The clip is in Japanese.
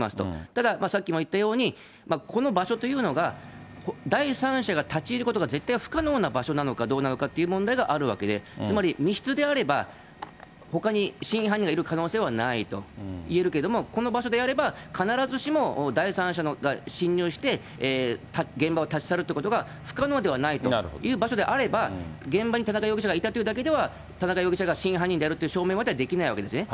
たださっきも言ったように、この場所というのが、第三者が立ち入ることが絶対不可能な場所なのかどうなのかって問題があるわけで、つまり密室であれば、ほかに真犯人がいる可能性はないと言えるけども、この場所であれば、必ずしも第三者が侵入して、現場を立ち去るってことが不可能ではないという場所であれば、現場に田中容疑者がいたというだけでは、田中容疑者が真犯人であるという証明まではできないわけですね。